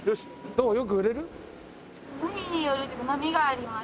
その日によるっていうか波があります。